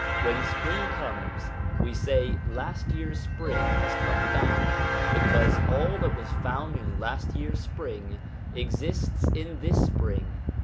When spring comes, we say last year's spring has come back, because all that was found in last year's spring exists in this spring.